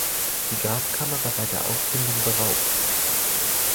Die Grabkammer war bei der Auffindung beraubt.